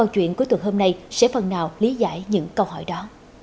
điểm cuối tuần hôm nay sẽ phần nào lý giải những câu hỏi đó